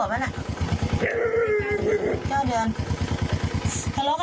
ก็คือผู้หญิงที่อุ้มเด็ก